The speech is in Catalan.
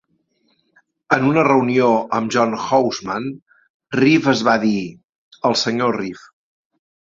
En una reunió amb John Houseman, Reeve es va dir, el Sr Reeve.